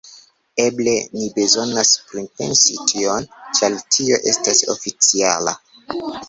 Eble ni bezonas pripensi tion, ĉar tio estas oficiala...